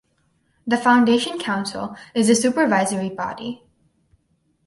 The Foundation Council is the supervisory body.